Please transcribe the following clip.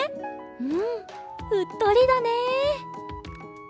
うんうっとりだね。